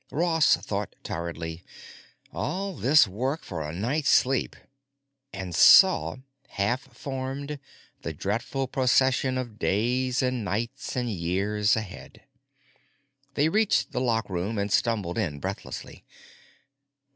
Ross thought tiredly: All this work for a night's sleep! And saw, half formed, the dreadful procession of days and nights and years ahead.... They reached the lockroom and stumbled in breathlessly.